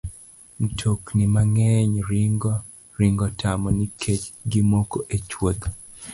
Mtokni mang'eny ringo tamo nikech gimoko e chwodho.